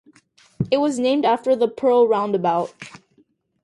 It was named after the Pearl Roundabout.